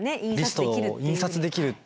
リストを印刷できるっていうのが。